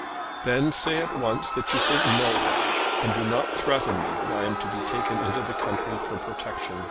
"Then say at once that you think no ill, and do not threaten me that I am to be taken into the country for protection.